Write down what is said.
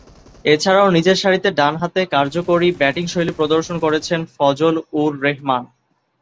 এছাড়াও, নিচেরসারিতে ডানহাতে কার্যকরী ব্যাটিংশৈলী প্রদর্শন করেছেন ফজল-উর-রেহমান।